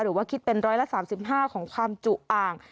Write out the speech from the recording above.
หรือว่าคิดเป็นร้อยละสามสิบห้าของความจุอ่าง